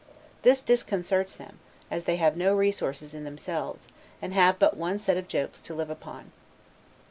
This disconcerts them, as they have no resources in themselves, and have but one set of jokes to live upon.